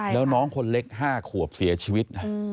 แล้วน้องคนเล็ก๕ขวบเสียชีวิตนะ